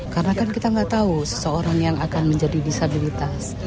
karena kan kita nggak tahu seseorang yang akan menjadi disabilitas